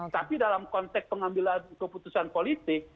tapi dalam konteks pengambilan keputusan politik